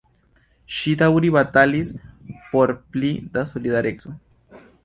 Ŝi daŭre batalis por pli da solidareco.